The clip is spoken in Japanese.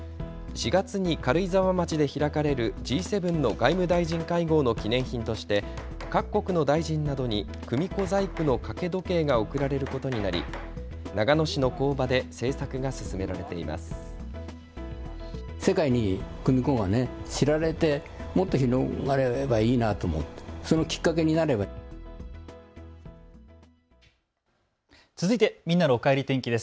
４月に軽井沢町で開かれるＧ７の外務大臣会合の記念品として各国の大臣などに組子細工の掛け時計が贈られることになり長野市の工場で製作が進められています。